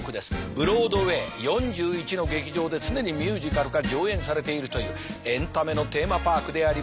ブロードウェイ４１の劇場で常にミュージカルが上演されているというエンタメのテーマパークであります。